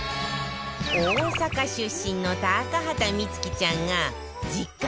大阪出身の高畑充希ちゃんが実家直伝！